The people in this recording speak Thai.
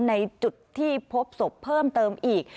ในจุดที่พบศพเพิ่มเติมอีก